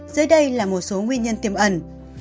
dưới đây là một số nguyên nhân tiềm ẩn